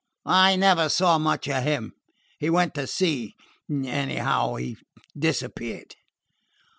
"I never saw much of him. He went to sea anyhow, he disappeared."